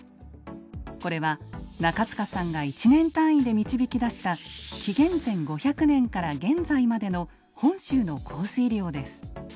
これは中塚さんが１年単位で導き出した紀元前５００年から現在までの本州の降水量です。